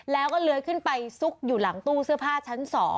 แล้วก็เลื้อยขึ้นไปซุกอยู่หลังตู้เสื้อผ้าชั้น๒